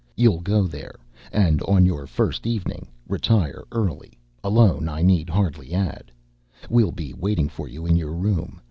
You'll go there and, on your first evening, retire early. Alone, I need hardly add. We'll be waiting for you in your room.